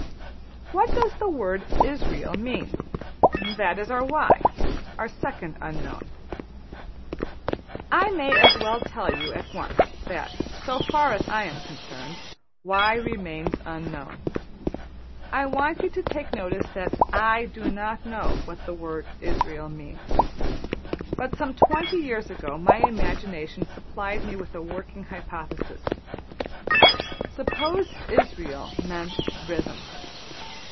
What does the word Israël mean? That is our $y$, our second unknown. I may as well tell you at once that, so far as I am concerned, $y$ remains unknown. I want you to take notice that \emph{I} do not know what the word Israël means. But some twenty years ago my imagination supplied me with a working hypothesis: Suppose Israël meant rhythm.